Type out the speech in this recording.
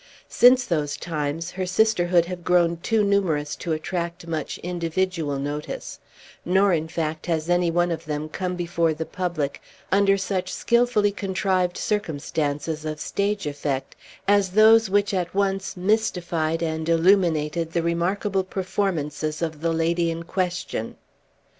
Since those times her sisterhood have grown too numerous to attract much individual notice; nor, in fact, has any one of them come before the public under such skilfully contrived circumstances of stage effect as those which at once mystified and illuminated the remarkable performances of the lady in question.